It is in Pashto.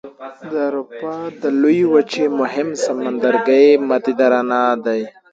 د اروپا د لویې وچې مهم سمندرګی مدیترانه دی.